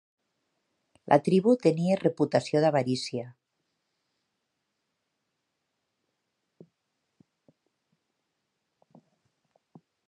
La tribu tenia reputació d'avarícia.